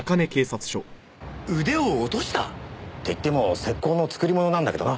腕を落とした？って言っても石膏の作り物なんだけどな。